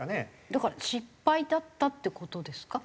だから失敗だったって事ですか？